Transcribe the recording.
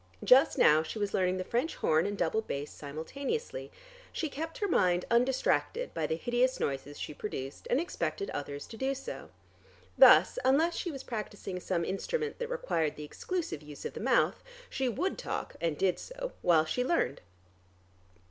Just now she was learning the French horn and double bass simultaneously. She kept her mind undistracted by the hideous noises she produced, and expected others to do so. Thus unless she was practising some instrument that required the exclusive use of the mouth, she would talk (and did so) while she learned.